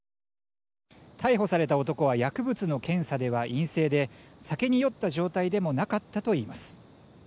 逮捕された男は薬物の検査では陰性で酒に酔った状態でもなかったといいます。